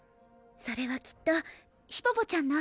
それはきっとヒポポちゃんの。